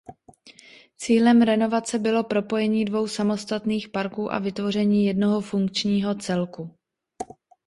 Cílem renovace bylo propojení dvou samostatných parků a vytvoření jednoho funkčního celku.